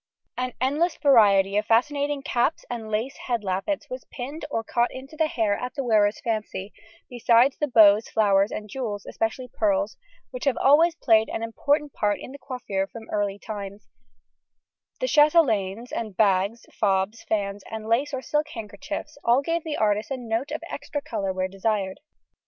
An endless variety of fascinating caps and lace head lappets was pinned or caught into the hair at the wearer's fancy; besides the bows, flowers, and jewels (especially pearls) which have always played an important part in the coiffure from early times, the chatelaines and bags, fobs, fans, and lace or silk handkerchiefs all give the artist a note of extra colour when desired.